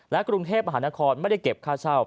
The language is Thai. กรุงเทพมหานครไม่ได้เก็บค่าเช่า